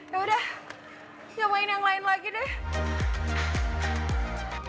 yaudah cobain yang lain lagi deh